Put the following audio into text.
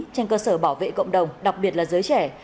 trên cơ sở bảo vệ cộng đồng đặc biệt là giới trẻ